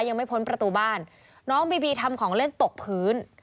ยังไม่พ้นประตูบ้านน้องบีบีทำของเล่นตกพื้น